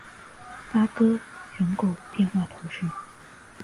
拉戈人口变化图示